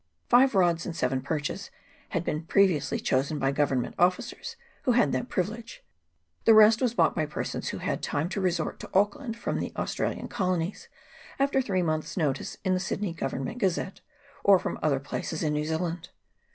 Five rods and seven perches had been previously chosen by Government officers, who had that privilege ; the rest was bought by persons who had time to resort to Auckland from the Australian colonies, after three months' notice in the Sydney Government Gazette, or from other places in New Zealand.